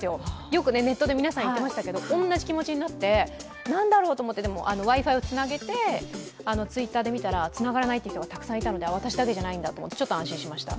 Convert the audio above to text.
よくネットで皆さん言っていましたけれども同じ気持ちになって、何だろうと思って、Ｗｉ−ＦｉをつなげてＴｗｉｔｔｅｒで見たら、つながらない人がたくさんいたのでちょっと安心しました。